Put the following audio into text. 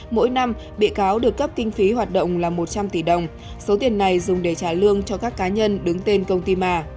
mỗi năm bị cáo được cấp kinh phí hoạt động là một trăm linh tỷ đồng số tiền này dùng để trả lương cho các cá nhân đứng tên công ty mà